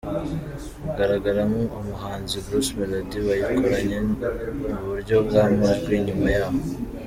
kugaragaramo umuhanzi Bruce Melody bayikoranye mu buryo bwamajwi, nyuma yaho.